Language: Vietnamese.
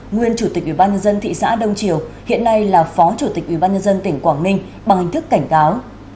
nguyên chủ tịch ủy ban nhân dân thị xã đông triều hiện nay là phó chủ tịch ủy ban nhân dân tỉnh quảng ninh bằng hình thức cảnh cáo